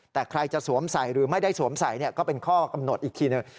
แต่ใครจะสวมใส่หรือไม่ได้สวมใส่ก็เป็นข้อกำหนดอีกทีหนึ่ง